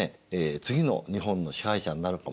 次の日本の支配者になるかもしれない。